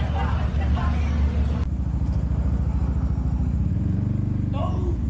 ไฟเข้า